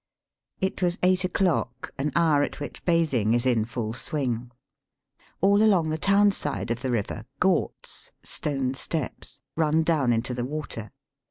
It was eight o'clock, an hour at which bath ing is in full swing. All along the town side of the river ghats (stone steps) run down into the water.